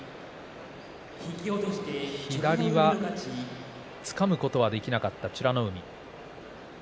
左はつかむことはできなかった美ノ海。